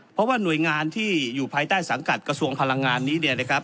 เพราะว่าหน่วยงานที่อยู่ภายใต้สังกัดกระทรวงพลังงานนี้เนี่ยนะครับ